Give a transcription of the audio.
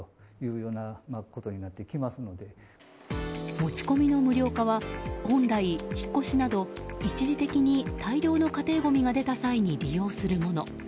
持ち込みの無料化は本来、引っ越しなど一時的に大量の家庭ごみが出た際に利用するもの。